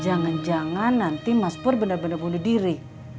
jangan jangan nanti mas pur bener bener bunuh diri